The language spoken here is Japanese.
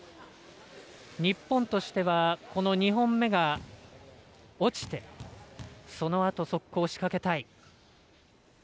日本としてはこの２本目が落ちてそのあと速攻を仕掛けたい。